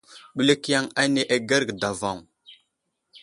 Ɓəlik yaŋ ane agərge davoŋ.